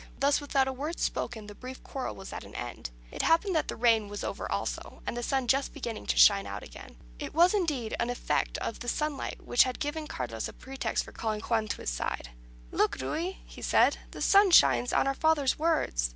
Thus, without a word spoken, the brief quarrel was at an end. It happened that the rain was over also, and the sun just beginning to shine out again. It was, indeed, an effect of the sunlight which had given Carlos a pretext for calling Juan again to his side. "Look, Ruy," he said, "the sun shines on our father's words!"